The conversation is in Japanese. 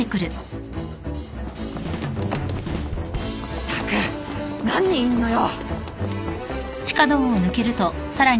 ったく何人いんのよ！